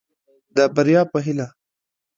د بريا په هيله.